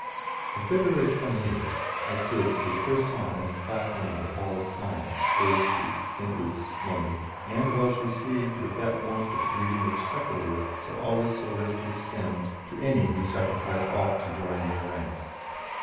On February 28th I stood for the first time on the platform of the Hall of Science, Old Street, St. Luke's, London, and was received with that warmth of greeting which Secularists are always so ready to extend to any who sacrifice aught to join their ranks.